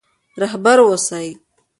رهبر اوسئ.